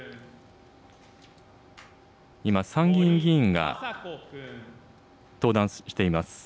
今、参議院議員が登壇しています。